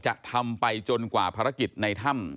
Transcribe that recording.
จะทำไปจนกว่าภารกิจในถ้ำ